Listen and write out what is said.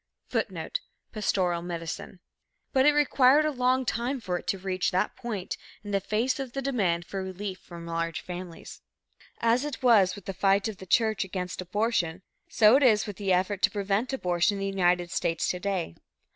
[Footnote: Pastoral Medicine] But it required a long time for it to reach that point, in the face of the demand for relief from large families. As it was with the fight of the church against abortion, so it is with the effort to prevent abortion in the United States to day.